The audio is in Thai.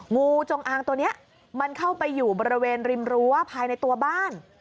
งูจงอางตัวนี้มันเข้าไปอยู่บริเวณริมรั้วภายในตัวบ้าน